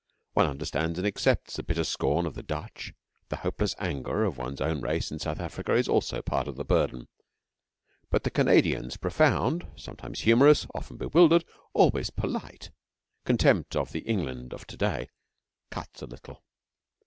One understands and accepts the bitter scorn of the Dutch, the hopeless anger of one's own race in South Africa is also part of the burden; but the Canadian's profound, sometimes humorous, often bewildered, always polite contempt of the England of to day cuts a little.